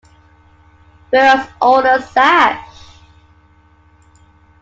Whereas older Sash!